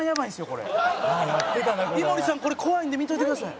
これ怖いんで見といてください」